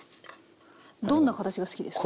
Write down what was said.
どんな形が好きですか？